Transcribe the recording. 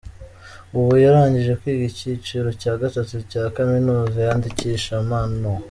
Ubu yarangije kwiga icyiciro cya gatatu cya Kaminuza yandikisha amano.